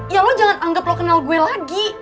ya lo jangan anggap lo kenal gue lagi